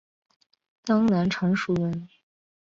江南常熟人。